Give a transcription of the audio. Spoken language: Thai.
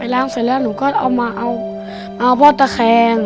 ล้างเสร็จแล้วหนูก็เอามาเอาพ่อตะแคง